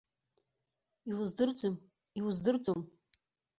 Иуздырӡом, иуздырӡом.